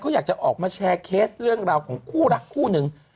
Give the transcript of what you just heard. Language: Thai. เขาอยากจะออกมาแชร์เคสเรื่องราวของคู่รักคู่หนึ่ง